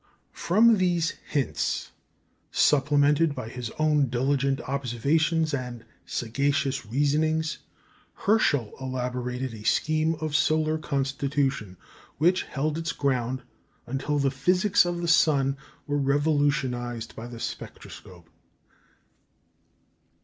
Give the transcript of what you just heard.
From these hints, supplemented by his own diligent observations and sagacious reasonings, Herschel elaborated a scheme of solar constitution which held its ground until the physics of the sun were revolutionised by the spectroscope.